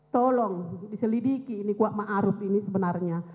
tolong diselidiki ini kuat maruf ini sebenarnya